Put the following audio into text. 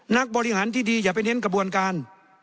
นักบริหารที่ดีอย่าไปเน้นกระบวนการ